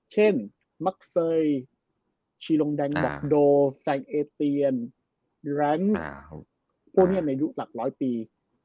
เช่นมักเซยชีลงแดงบ็อกโดแซงเอเตียนแรนด์พวกนี้ในยุคหลักร้อยปี